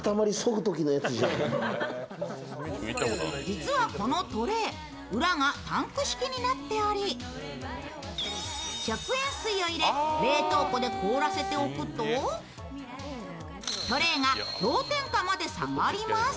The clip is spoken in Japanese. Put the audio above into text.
実は、このトレー、裏がタンク式になっており食塩水を入れ冷凍庫で凍らせておくとトレーが氷点下まで下がります。